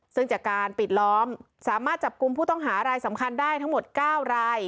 ซึ่งจากการปิดล้อมสามารถจับกลุ่มผู้ต้องหารายสำคัญได้ทั้งหมด๙ราย